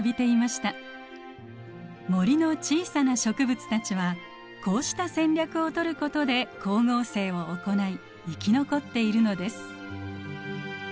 森の小さな植物たちはこうした戦略をとることで光合成を行い生き残っているのです。